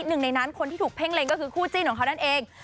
หนึ่งในนั้นคนที่ถูกเพ่งเล็งก็คือคู่จิ้นของเขานั่นเอง